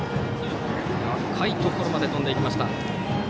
深いところまで飛んでいきました。